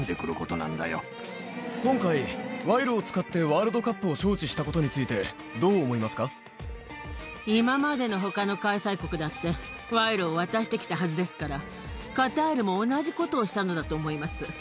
今回、賄賂を使って、ワールドカップを招致したことについて、どう思い今までのほかの開催国だって、賄賂を渡してきたはずですから、カタールも同じことをしたのだと思います。